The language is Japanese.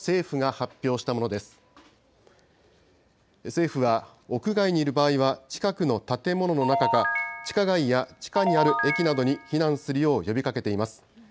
政府は、屋外にいる場合は近くの建物の中か、地下街や地下にある駅などに避難するよう呼びかけています。